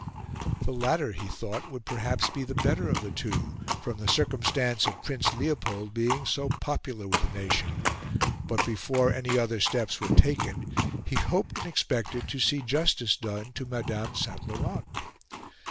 The latter, he thought, would perhaps be the better of the two, from the circumstance of Prince Leopold being so popular with the nation; but before any other steps were taken, he hoped and expected to see justice done to Madame St. Laurent.